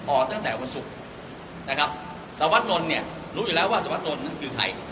ออกตั้งแต่วันศุกร์นะครับสวัสดิลล์เนี่ยรู้อยู่แล้วว่าสวัสดนนั้นคือใคร